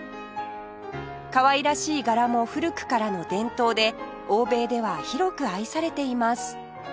かわいらしい柄も古くからの伝統で欧米では広く愛されています